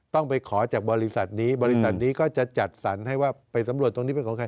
ต้องไปขอจากบริษัทนี้บริษัทนี้ก็จะจัดสรรให้ว่าไปสำรวจตรงนี้เป็นของใคร